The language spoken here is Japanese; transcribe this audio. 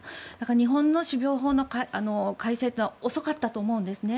日本の種苗法の改正というのは遅かったと思うんですね。